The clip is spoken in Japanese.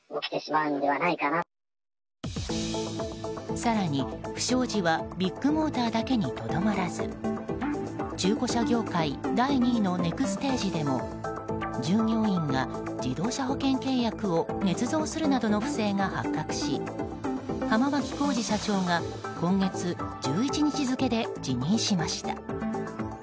更に不祥事はビッグモーターだけにとどまらず中古車業界第２位のネクステージでも従業員が自動車保険契約をねつ造するなどの不正が発覚し浜脇浩次社長が今月１１日付で辞任しました。